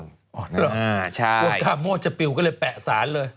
พวกกามโมจะปริวก็เลยแปะศาลเลย